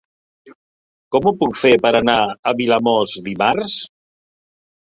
Com ho puc fer per anar a Vilamòs dimarts?